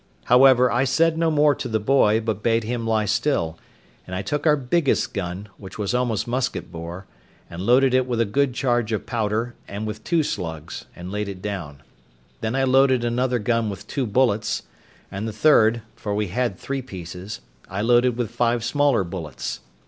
However, I said no more to the boy, but bade him lie still, and I took our biggest gun, which was almost musket bore, and loaded it with a good charge of powder, and with two slugs, and laid it down; then I loaded another gun with two bullets; and the third (for we had three pieces) I loaded with five smaller bullets.